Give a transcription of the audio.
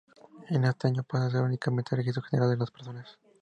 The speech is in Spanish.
En este año paso a ser únicamente Registro General de las Personas.